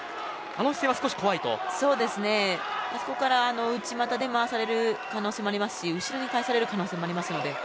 あそこから内股で回される可能性もありますし後ろに倒される可能性もあります。